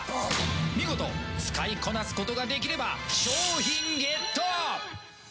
見事使いこなすことができれば商品ゲット！